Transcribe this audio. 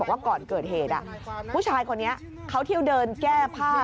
ว่าก่อนเกิดเหตุผู้ชายคนนี้เขาเที่ยวเดินแก้ผ้า